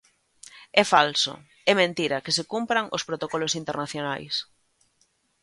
"É falso, é mentira que se cumpran os protocolos internacionais".